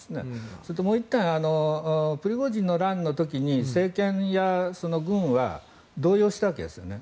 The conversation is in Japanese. それと、もう１点プリゴジンの乱の時に政権や軍は動揺したわけですよね。